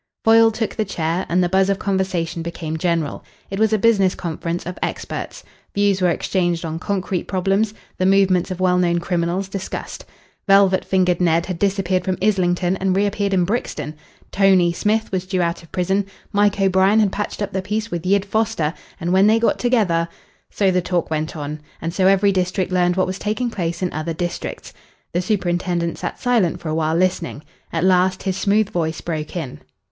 Foyle took the chair, and the buzz of conversation became general. It was a business conference of experts. Views were exchanged on concrete problems; the movements of well known criminals discussed. "Velvet fingered Ned" had disappeared from Islington and reappeared in Brixton. "Tony" Smith was due out of prison. Mike O'Brien had patched up the peace with "Yid" Foster, and when they got together So the talk went on, and so every district learned what was taking place in other districts. The superintendent sat silent for a while, listening. At last his smooth voice broke in.